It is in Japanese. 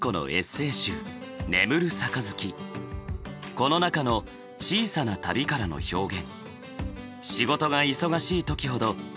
この中の「小さな旅」からの表現。